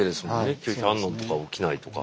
拒否反応とか起きないとか。